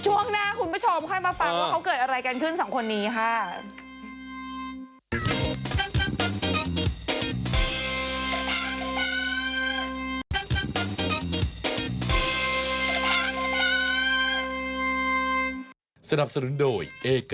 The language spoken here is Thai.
ช่วงหน้าคุณผู้ชมค่อยมาฟัง